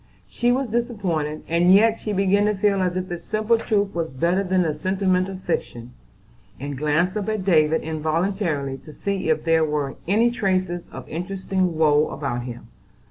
She was disappointed, and yet she began to feel as if the simple truth was better than the sentimental fiction; and glanced up at David involuntarily to see if there were any traces of interesting woe about him.